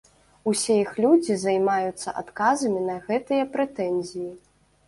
Усе іх людзі займаюцца адказамі на гэтыя прэтэнзіі.